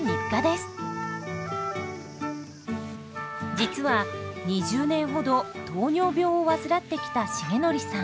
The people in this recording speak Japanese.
実は２０年ほど糖尿病を患ってきた重則さん。